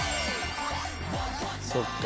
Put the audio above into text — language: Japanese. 「そっか。